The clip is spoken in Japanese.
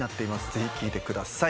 ぜひ聴いてください。